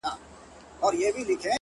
• خالق دي مل سه ګرانه هیواده ,